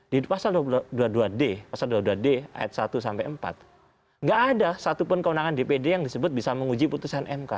di pasal dua puluh dua d ayat satu sampai empat tidak ada satupun kewenangan dpd yang disebut bisa menguji putusan mk